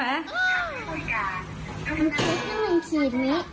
มีคลิปหนึ่งขูดเกิด